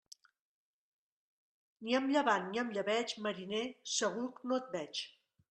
Ni amb llevant ni amb llebeig, mariner, segur no et veig.